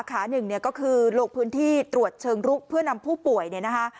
หนึ่งเนี่ยก็คือลงพื้นที่ตรวจเชิงลุกเพื่อนำผู้ป่วยเนี่ยนะคะ